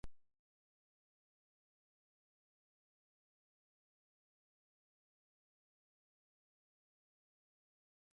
The budget announced major changes to transfers to provinces.